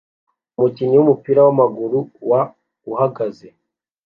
Umukinnyi wumupira wamaguru wa uhagaze